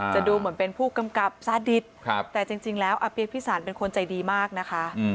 ดูเหมือนเป็นผู้กำกับซาดิตแต่จริงแล้วอาเปี๊ยกพิสันเป็นคนใจดีมากนะคะ